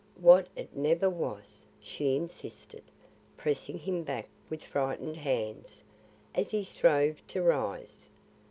What it never was," she insisted, pressing him back with frightened hands, as he strove to rise.